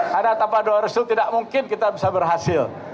karena tanpa doa resul tidak mungkin kita bisa berhasil